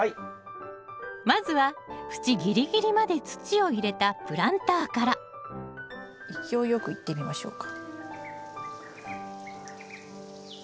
まずは縁ギリギリまで土を入れたプランターから勢いよくいってみましょうか。